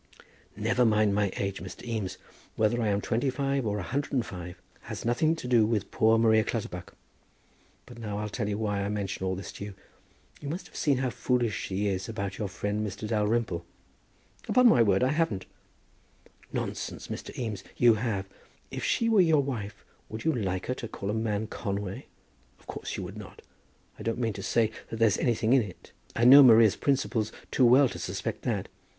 "Never mind my age, Mr. Eames; whether I am twenty five, or a hundred and five, has nothing to do with poor Maria Clutterbuck. But now I'll tell you why I mention all this to you. You must have seen how foolish she is about your friend Mr. Dalrymple?" "Upon my word, I haven't." "Nonsense, Mr. Eames; you have. If she were your wife, would you like her to call a man Conway? Of course you would not. I don't mean to say that there's anything in it. I know Maria's principles too well to suspect that.